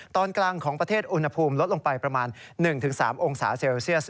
ตอนกลางของประเทศอุณหภูมิลดลงไปประมาณ๑๓องศาเซลเซียส